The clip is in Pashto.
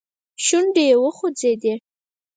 شونډي يې وخوځېدې.